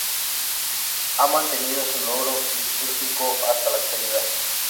Ha mantenido su uso litúrgico hasta la actualidad.